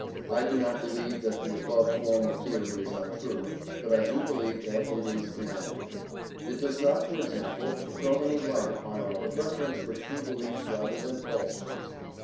I do not believe that the above formal theory is untrue, but I do believe that it is inadequate. It does not, for example, throw any light upon our preference for true beliefs rather than false ones.